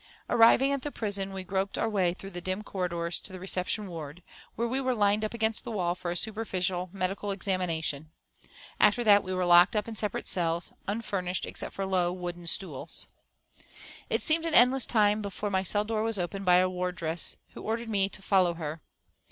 Arriving at the prison, we groped our way through dim corridors into the reception ward, where we were lined up against the wall for a superficial medical examination. After that we were locked up in separate cells, unfurnished, except for low, wooden stools. It seemed an endless time before my cell door was opened by a wardress, who ordered me to follow her.